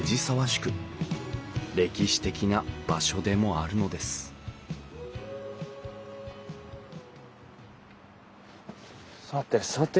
歴史的な場所でもあるのですさてさて